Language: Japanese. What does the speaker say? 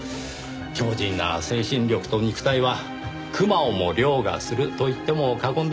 強靱な精神力と肉体はクマをも凌駕すると言っても過言ではないでしょう。